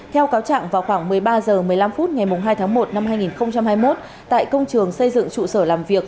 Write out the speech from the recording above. theo cáo trạng vào khoảng một mươi ba h một mươi năm phút ngày hai tháng một năm hai nghìn hai mươi một tại công trường xây dựng trụ sở làm việc